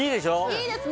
いいですね